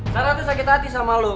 sarah tuh sakit hati sama lo